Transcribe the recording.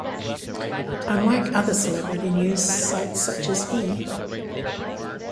Unlike other celebrity news sites such as E!